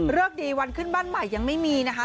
ดีวันขึ้นบ้านใหม่ยังไม่มีนะคะ